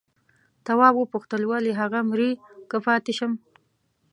تواب وپوښتل ولې هغه مري که پاتې شم؟